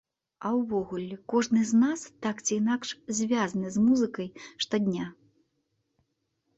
А ўвогуле, кожны з нас так ці інакш звязаны з музыкай штодня.